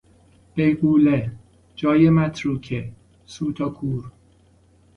بیغوله، جای متروکه، سوت و کور